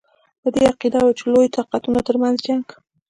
په دې عقیده وو چې د لویو طاقتونو ترمنځ جنګ.